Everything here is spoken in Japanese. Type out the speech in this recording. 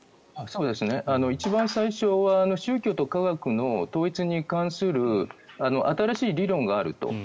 一番最初は宗教と科学の統一に関する新しい理論があると。